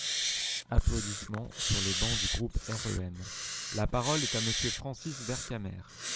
(Applaudissements sur les bancs du groupe REM.) La parole est à Monsieur Francis Vercamer.